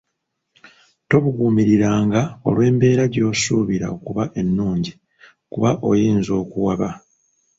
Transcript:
Tobuguumiriranga olw’embeera gy’osuubira okuba ennungi kuba oyinza okuwaba.